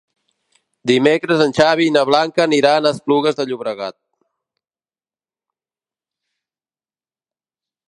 Dimecres en Xavi i na Blanca aniran a Esplugues de Llobregat.